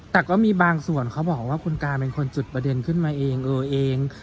แต่ก็มีบางส่วนเขาบอกว่าคุณตาเป็นคนจุดประเด็นขึ้นมาเองเออเอง